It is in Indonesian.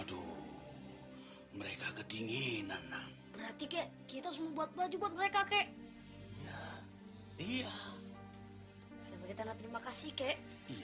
aduh mereka ketinginan berarti kita semua baju mereka kek iya iya terima kasih kek